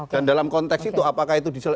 dan dalam konteks itu apakah itu